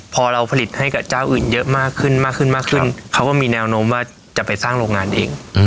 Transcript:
พอเราผลิตให้กับเจ้าอื่นเยอะมากขึ้นมากขึ้นมากขึ้นเขาก็มีแนวโน้มว่าจะไปสร้างโรงงานเอง